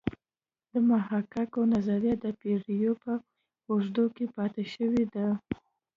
د محاکات نظریه د پیړیو په اوږدو کې پاتې شوې ده